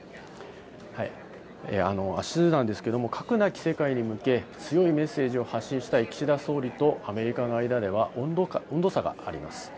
あすなんですけれども、核なき世界に向け、強いメッセージを発信したい岸田総理とアメリカの間では、温度差があります。